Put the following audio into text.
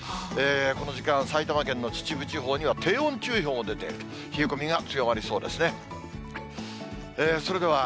この時間、埼玉県の秩父地方には、低温注意報も出ている、冷え込みが強まりそうですね。